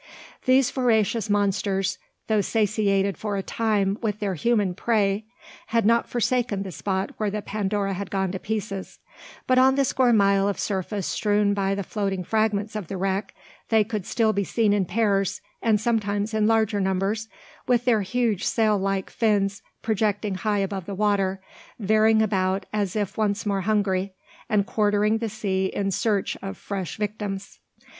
These voracious monsters, though satiated for a time with their human prey, had not forsaken the spot where the Pandora had gone to pieces; but on the square mile of surface strewed by the floating fragments of the wreck they could still be seen in pairs, and sometimes in larger numbers, with their huge sail like fins projecting high above the water, veering about as if once more hungry, and quartering the sea in search of fresh victims.